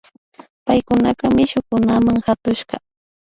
Paykuna mishukunama katushka